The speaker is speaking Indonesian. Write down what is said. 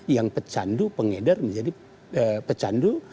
yang pecandu pengedar menjadi pecandu